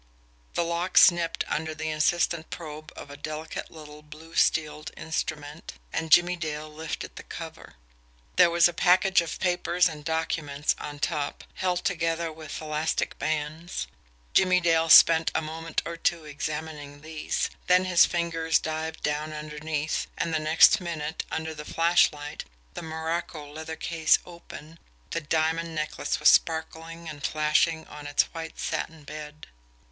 The lock snipped under the insistent probe of a delicate little blued steel instrument, and Jimmie Dale lifted the cover. There was a package of papers and documents on top, held together with elastic bands. Jimmie Dale spent a moment or two examining these, then his fingers dived down underneath, and the next minute, under the flashlight, the morocco leather case open, the diamond necklace was sparkling and flashing on its white satin bed.